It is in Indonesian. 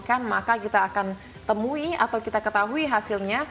setelah itu dikalkulasikan maka kita akan temui atau kita ketahui hasilnya